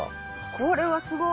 これはすごい。